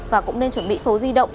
và cũng nên chuẩn bị số di động